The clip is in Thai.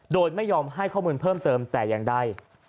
โดยไม่ยอมให้ข้อมูลเพิ่มเติมแต่อย่างใด